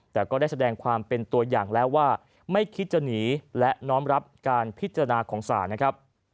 แต่ก็ได้แสดงความเป็นตัวอย่างแล้วว่าไม่คิดจะหนีและน้อมรับการพิจารณาของศาลนะครับ